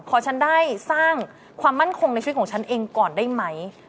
ขอฉันได้สร้างความมั่นคงในชีวิตของฉันเองก่อนได้ไหม